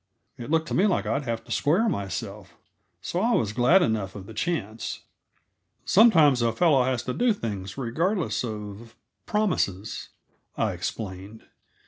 It looked to me like I'd have to square myself, so I was glad enough of the chance. "Sometimes a fellow has to do things regardless of promises," I explained.